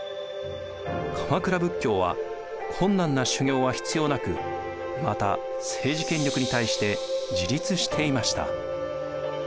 鎌倉仏教は困難な修行は必要なくまた政治権力に対して自立していました。